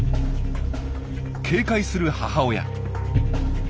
警戒する母親。